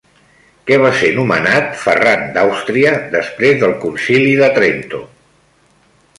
Què va ser nomenat Ferran d'Àustria després del Concili de Trento?